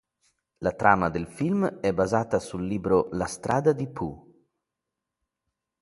La trama del film è basata sul libro "La strada di Pooh".